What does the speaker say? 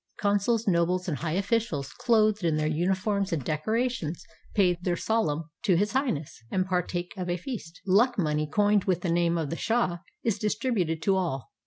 Consuls, nobles, and high officials, clothed in their uni forms and decorations, pay their salaam to His Highness, and partake of a feast. Luck money, coined with the name of the shah, is distributed to all.